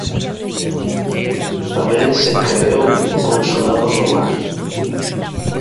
Tamén se creou o Consulado do Mar.